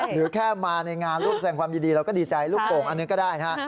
หรือแค่มาในงานรูปแสงความยินดีเราก็ดีใจรูปโปรงอันนี้ก็ได้นะ